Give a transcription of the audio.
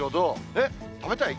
えっ、食べたい？